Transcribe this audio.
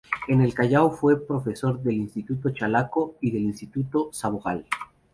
En el Callao fue profesor del Instituto Chalaco y del Instituto Sabogal.